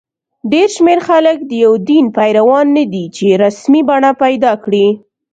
ډېر شمېر خلک د یو دین پیروان نه دي چې رسمي بڼه پیدا کړي.